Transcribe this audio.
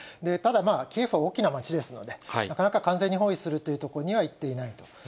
ただ、キエフは大きな町ですので、なかなか完全に包囲するというところにはいっていないと。